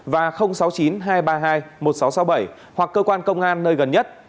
và sáu mươi chín hai trăm ba mươi hai một nghìn sáu trăm sáu mươi bảy hoặc cơ quan công an nơi gần nhất